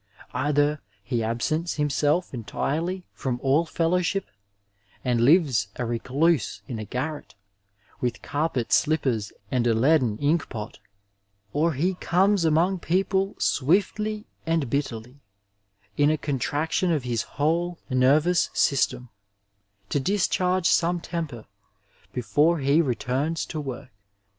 Either 874 Digitized by Google THE MASTER WORD IN MEDICINE he absents himself entirely from all fellowship, and lives a reduse in a garret, with carpet slippers and a leaden inkpot, or he comes among people swiftly and bitterly, in a con traction of his whole nervous system, to dischai^e some temper before he returns to work.